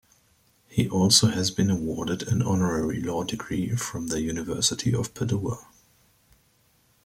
He also has been awarded an honorary law degree from the University of Padua.